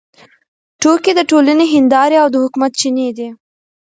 ټوکې د ټولنې هندارې او د حکمت چینې دي.